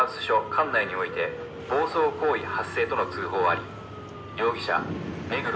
管内において暴走行為発生との通報あり」「容疑者目黒澪」